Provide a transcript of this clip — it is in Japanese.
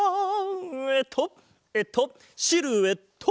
えっとえっとシルエット！